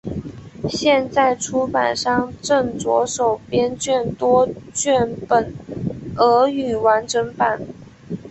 现在出版商正着手编撰多卷本俄语完整版。